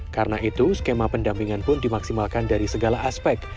karena itu skema pendampingan pun dimaksimalkan dari segala aspek